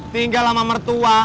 tinggal sama mertua